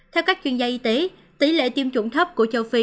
theo các chuyên gia y tế tỷ lệ tiêm chủng thấp của châu phi